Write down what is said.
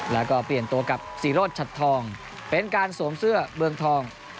แล้วก็เปลี่ยนตัวกับศรีโรธชัดทองเป็นการสวมเสื้อเมืองทอง